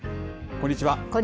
こんにちは。